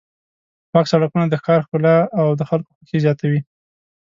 پاک سړکونه د ښار ښکلا او د خلکو خوښي زیاتوي.